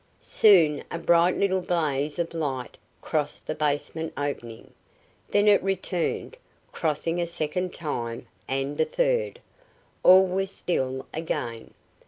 Soon a bright little blaze of light crossed the basement opening. Then it returned, crossing a second time, and a third. All was still again.